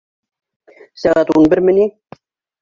Сәғәт ун берме ни?